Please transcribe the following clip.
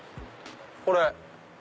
これ。